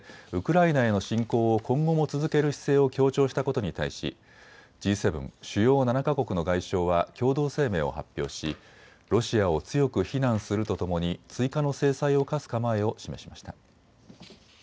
ロシアのプーチン大統領が演説でウクライナへの侵攻を今後も続ける姿勢を強調したことに対しＧ７・主要７か国の外相は共同声明を発表しロシアを強く非難するとともに追加の制裁を科す構えを示しました。